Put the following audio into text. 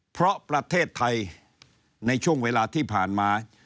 เพราะประเทศไทยในช่วงเวลาที่ผ่านมา